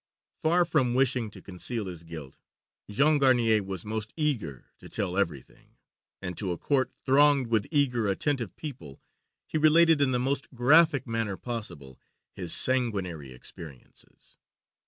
Far from wishing to conceal his guilt, Jean Garnier was most eager to tell everything, and to a court thronged with eager, attentive people, he related in the most graphic manner possible his sanguinary experiences.